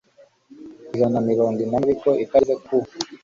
ijana na mirongo inani ariko itageze ku